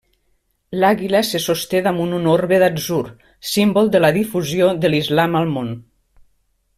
L'àguila se sosté damunt un orbe d'atzur, símbol de la difusió de l'islam al món.